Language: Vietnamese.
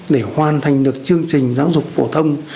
để hoàn thành được chương trình giáo dục phổ thông